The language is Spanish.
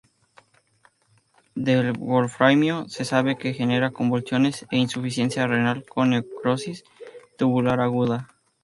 Del wolframio se sabe que genera convulsiones e insuficiencia renal con necrosis tubular aguda.